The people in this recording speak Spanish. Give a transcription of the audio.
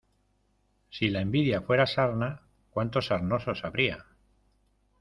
Si la envidia fuera sarna, cuantos sarnosos habría.